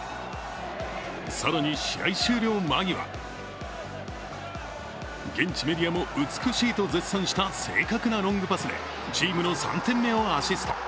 更に、試合終了間際現地メディアも美しいと絶賛した正確なロングパスでチームの３点目をアシスト。